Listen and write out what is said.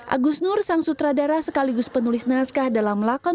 agus nur sang sutradara sekaligus penulis naskah dalam lakon